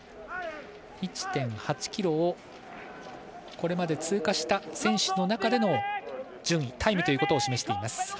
１．８ｋｍをこれまで通過した選手の中での順位タイムということを示しています。